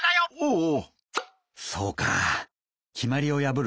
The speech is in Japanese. おお！